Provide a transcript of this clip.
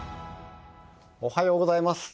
おはようございます。